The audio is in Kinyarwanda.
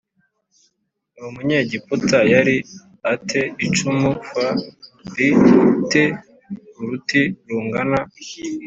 Uwo Munyegiputa yari a te icumu f ri te uruti rungana